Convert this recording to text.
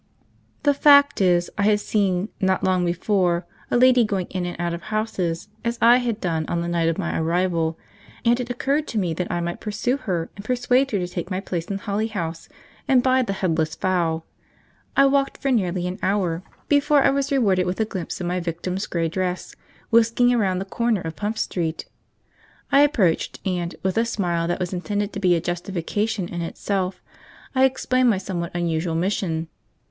The fact is, I had seen, not long before, a lady going in and out of houses, as I had done on the night of my arrival, and it occurred to me that I might pursue her, and persuade her to take my place in Holly House and buy the headless fowl. I walked for nearly an hour before I was rewarded with a glimpse of my victim's grey dress whisking round the corner of Pump Street. I approached, and, with a smile that was intended to be a justification in itself, I explained my somewhat unusual mission.